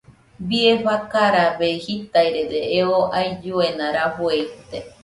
Bie fakarabe jitairede eo ailluena rafue ite.